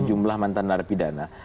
sejumlah mantan narapidana